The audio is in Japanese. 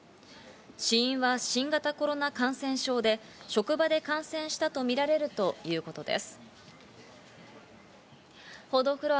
死因は新型コロナ感染症で、職場で感染したとみられるということです。